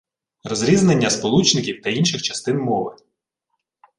Розрізнення сполучників та інших частин мови